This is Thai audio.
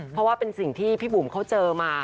เพราะว่าเป็นสิ่งที่พี่บุ๋มเขาเจอมา